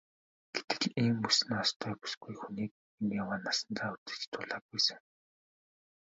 Гэтэл ийм үс ноостой бүсгүй хүнийг энэ яваа насандаа үзэж дуулаагүй сэн.